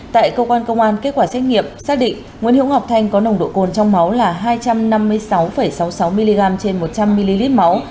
tại cơ quan công an kết quả xét nghiệm xác định nguyễn hữu ngọc thanh có nồng độ cồn trong máu là hai trăm năm mươi sáu sáu mươi sáu mg trên một trăm linh ml máu